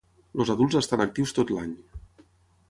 Els adults estan actius tot l'any.